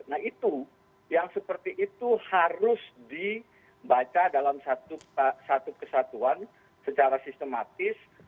nah itu yang seperti itu harus dibaca dalam satu kesatuan secara sistematis